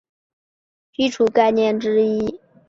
极限是现代数学特别是分析学中的基础概念之一。